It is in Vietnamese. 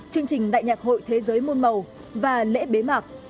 chương trình đại nhạc hội thế giới môn màu và lễ bế mạc